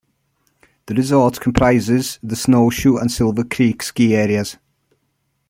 The resort comprises the Snowshoe and Silver Creek ski areas.